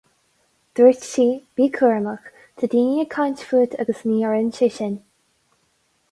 Dúirt sí, bí cúramach, tá daoine ag caint fút agus ní oireann sé sin.